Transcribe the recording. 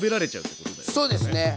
そうですね。